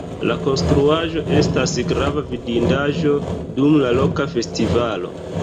La konstruaĵo estas grava vidindaĵo dum la loka festivalo.